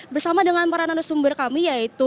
bersama dengan para narasumber kami yaitu